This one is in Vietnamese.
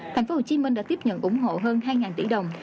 thành phố hồ chí minh đã tiếp nhận ủng hộ hơn hai tỷ đồng